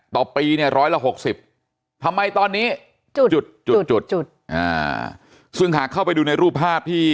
ต่อปีเนี่ยร้อยละ๖๐ทำไมตอนนี้จุดจุดจุดซึ่งหากเข้าไปดูในรูปภาพที่